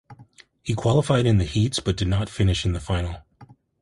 He qualified in the heats but did not finish in the final.